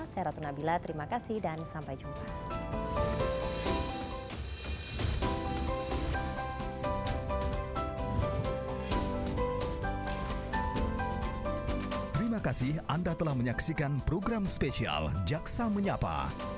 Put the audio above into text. saya ratu nabila terima kasih dan sampai jumpa